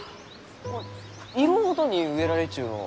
色ごとに植えられちゅうのう。